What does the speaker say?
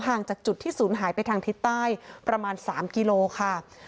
จากจุดที่ศูนย์หายไปทางทิศใต้ประมาณ๓กิโลค่ะ